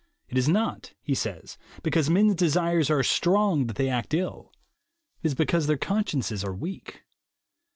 "It is not," he says, "because men's desires are strong that they act ill; it is because their consciences are weak."